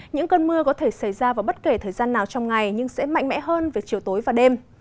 những cơn mưa có thể xảy ra vào bất kể thời gian nào trong ngày nhưng sẽ mạnh mẽ hơn về chiều tối và đêm